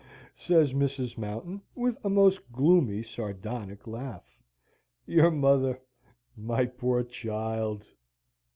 says Mrs. Mountain, with a most gloomy, sardonic laugh; "your mother, my poor child!"